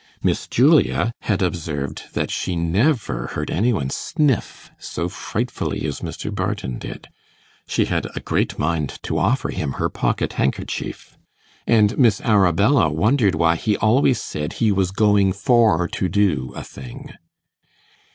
Miss Julia had observed that she never heard any one sniff so frightfully as Mr. Barton did she had a great mind to offer him her pocket handkerchief; and Miss Arabella wondered why he always said he was going for to do a thing.